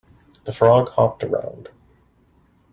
The frog hopped around.